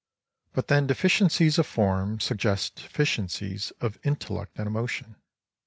But then deficiencies of form suggest deficiencies of intellect and emotion.